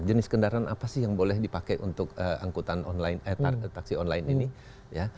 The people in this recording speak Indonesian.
jenis kendaraan apa sih yang boleh dipakai untuk angkutan online eh taksi online ini ya